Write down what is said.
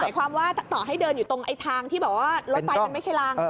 ความว่าต่อให้เดินอยู่ตรงทางที่แบบว่ารถไฟมันไม่ใช่รัง